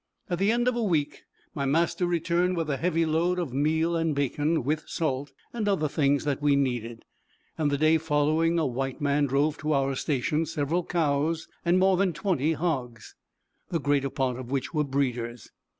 At the end of a week my master returned with a heavy load of meal and bacon, with salt and other things that we needed, and the day following a white man drove to our station several cows and more than twenty hogs, the greater part of which were breeders.